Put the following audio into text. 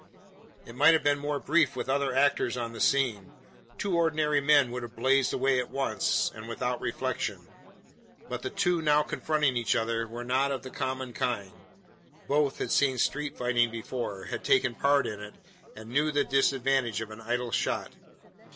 It might have been more brief with other actors on the scene. Two ordinary men would have blazed away at once, and without reflection. But the two now confronting each other were not of the common kind. Both had seen street fighting before had taken part in it and knew the disadvantage of an idle shot.